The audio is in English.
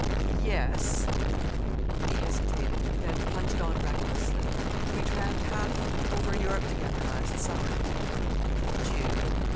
"Yes." He hesitated, then plunged on recklessly. "We tramped half over Europe together last summer." "Did you?"